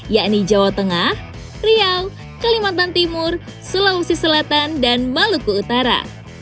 yakni jawa tengah riau kalimantan timur sulawesi selatan dan maluku utara